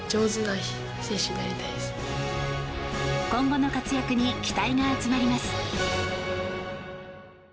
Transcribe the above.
今後の活躍に期待が集まります。